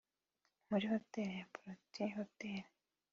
muri hoteli ya Protea Hotel